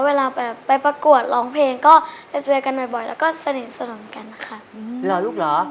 เวลาไปประกวดร้องเพลงก็เจอกันบ่อยแล้วก็สนิทสนมกันค่ะ